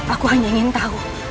aku hanya ingin tahu